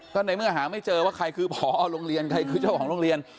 ก็ในเมื่อหาไม่เจอว่าใครคือพอโรงเรียนใครคือเจ้าของโรงเรียน